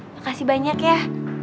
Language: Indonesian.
makasih banyak ya